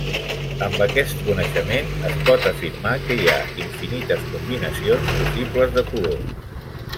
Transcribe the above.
Amb aquest coneixement, es pot afirmar que hi ha infinites combinacions possibles de colors.